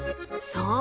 そう！